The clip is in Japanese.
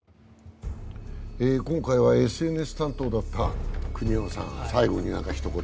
今回はＳＮＳ担当だった国山さん、最後に何かひと言。